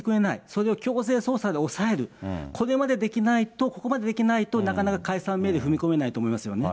それを強制捜査で押さえる、これまでできないと、ここまでできないと、なかなかかいさんめいれいに踏み込めないと思いますよね。